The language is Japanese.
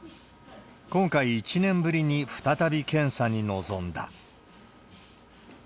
今回、１年ぶりに再び検査に臨んだ。